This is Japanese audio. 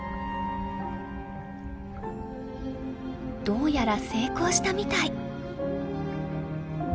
どうやら成功したみたい。